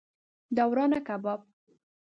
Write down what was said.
د ورانه کباب